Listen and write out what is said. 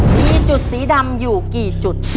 มีจุดสีดำอยู่กี่จุด